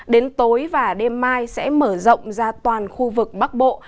đến tối và đêm mai sẽ mở rộng ra toàn khu vực bắc bộ